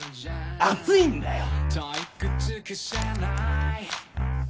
熱いんだよ！